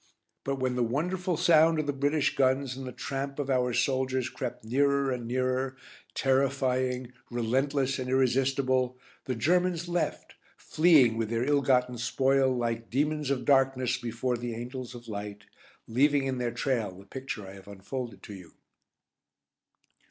But when the wonderful sound of the British guns and the tramp of our soldiers crept nearer and nearer, terrifying, relentless, and irresistible, the Germans left, fleeing with their ill gotten spoil like demons of darkness before the angels of light, leaving in their trail the picture I have unfolded to you.